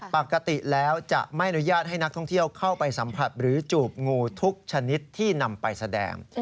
ปกติแล้วจะไม่อนุญาตให้นักท่องเที่ยวเข้าไปสัมผัสหรือจูบงูทุกชนิดที่นำไปแสดง